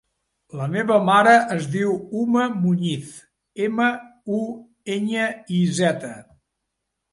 La meva mare es diu Uma Muñiz: ema, u, enya, i, zeta.